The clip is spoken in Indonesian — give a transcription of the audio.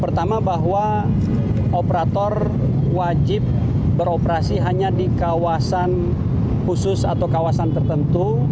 pertama bahwa operator wajib beroperasi hanya di kawasan khusus atau kawasan tertentu